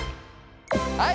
はい。